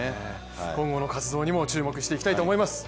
今後の活動にも注目していきたいと思います。